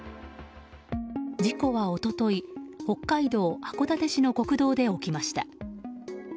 事故は一昨日北海道函館市の国道で起きました。